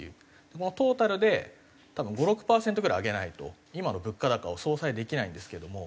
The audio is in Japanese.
もうトータルで多分５６パーセントぐらい上げないと今の物価高を相殺できないんですけれども。